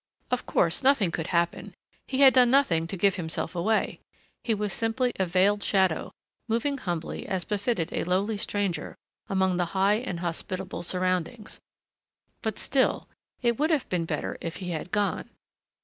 Of course nothing could happen. He had done nothing to give himself away. He was simply a veiled shadow, moving humbly as befitted a lowly stranger among the high and hospitable surroundings. But still, it would have been better if he had gone....